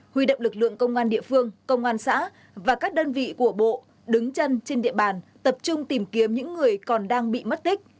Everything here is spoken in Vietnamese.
huy động lực lượng công an địa phương công an xã và các đơn vị của bộ đứng chân trên địa bàn tập trung tìm kiếm những người còn đang bị mất tích